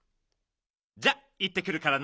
じゃあいってくるからな。